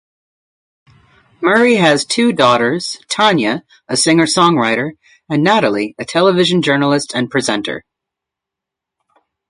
Murray has two daughters, Tania, a singer-songwriter, and Natalie, a television journalist and presenter.